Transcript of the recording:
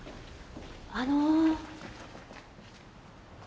あの。